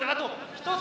１つ！